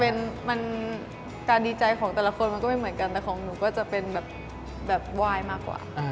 เราก็ต้องเริ่มใหม่เหมือนเดิมอะค่ะ